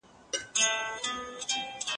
ځکه خواشنی ومه نن بې ملاقاته ښکاري